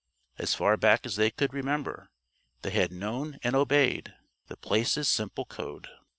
As far back as they could remember, they had known and obeyed The Place's simple code.